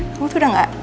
kamu tuh udah gak